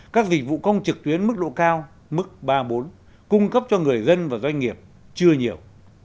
các dịch vụ công trực tuyến mức độ cao mức ba bốn cung cấp cho người dân và doanh nghiệp chưa nhiều